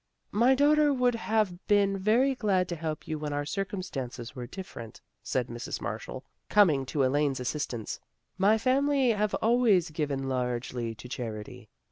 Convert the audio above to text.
" My daughter would have been very glad to help you when our circumstances were dif ferent," said Mrs. Marshall, coming to Elaine's assistance. " My family have always given largely to charity.